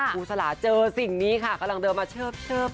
ครูสลาเจอสิ่งนี้ค่ะกำลังเดินมาเชิบ